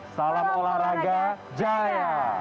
salam olahraga jaya